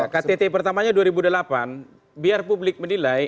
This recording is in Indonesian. ktt pertamanya dua ribu delapan biar publik menilai